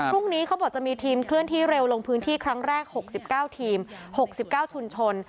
เขาบอกจะมีทีมเคลื่อนที่เร็วลงพื้นที่ครั้งแรก๖๙ทีม๖๙ชุมชน